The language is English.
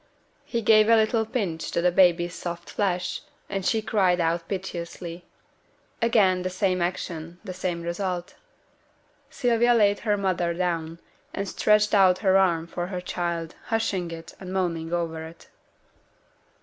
He gave a little pinch to the baby's soft flesh, and she cried out piteously; again the same action, the same result. Sylvia laid her mother down, and stretched out her arms for her child, hushing it, and moaning over it.